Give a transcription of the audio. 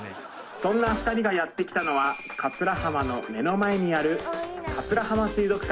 そんな２人がやってきたのは桂浜の目の前にある桂浜水族館